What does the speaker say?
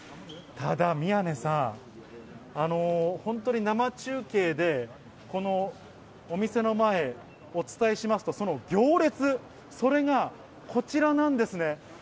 ただ、宮根さん、本当に生中継で、このお店の前、お伝えしますと、その行列、それがこちらなんですね。